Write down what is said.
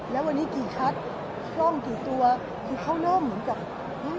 แล้ววันนี้กี่ชัดกล้องกี่ตัวคือเขาเริ่มเหมือนกับ